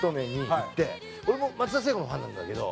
俺も松田聖子のファンなんだけど。